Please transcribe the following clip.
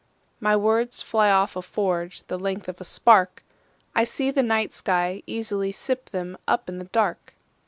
My words fly off a forgeThe length of a spark;I see the night sky easily sip themUp in the dark.